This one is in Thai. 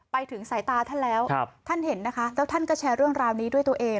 ไปถึงสายตาท่านแล้วท่านเห็นนะคะแล้วท่านก็แชร์เรื่องราวนี้ด้วยตัวเอง